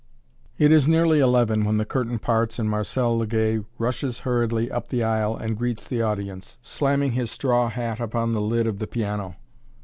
It is nearly eleven when the curtain parts and Marcel Legay rushes hurriedly up the aisle and greets the audience, slamming his straw hat upon the lid of the piano.